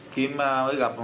kiếm mới gặp